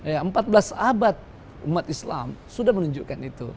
ya empat belas abad umat islam sudah menunjukkan itu